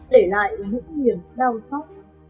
để lại những niềm đau xót